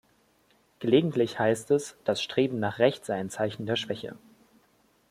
Gelegentlich heißt es, das Streben nach Recht sei ein Zeichen der Schwäche.